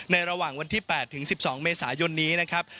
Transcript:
ระหว่างวันที่๘ถึง๑๒เมษายนนี้นะครับ